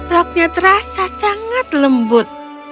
roknya terasa sangat lembut